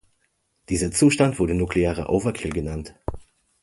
Dieser Zustand wurde „nuklearer Overkill“ genannt.